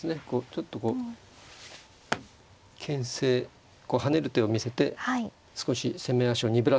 ちょっとこうけん制こう跳ねる手を見せて少し攻め足を鈍らせようというね。